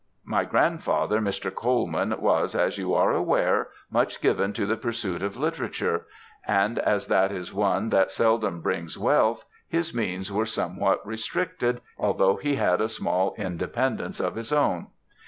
My grandfather, Mr. Colman, was, as you are aware, much given to the pursuit of literature, and as that is one that seldom brings wealth, his means were somewhat restricted, although he had a small independance of his own.